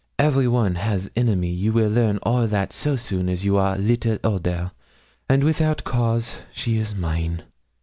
Every one has enemy; you will learn all that so soon as you are little older, and without cause she is mine.